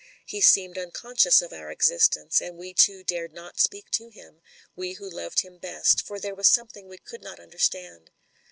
He seemed unconscious of our existence, and we two dared not speak to him, we who loved him best, for there was something we could not under stand.